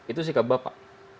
itu sikap bapak